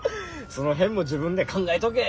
その辺も自分で考えとけ！